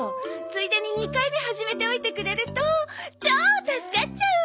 ついでに２回目始めておいてくれるとチョー助かっちゃう！